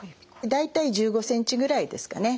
大体１５ｃｍぐらいですかね。